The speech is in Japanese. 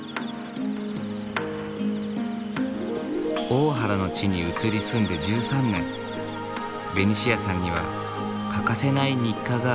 大原の地に移り住んで１３年ベニシアさんには欠かせない日課がある。